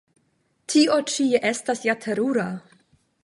Tio ĉi estas ja terura!